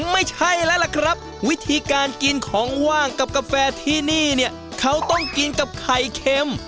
ไม่ใช่แล้วล่ะครับวิธีการกินของว่างกับกาแฟที่นี่เนี่ยเขาต้องกินกับไข่เค็ม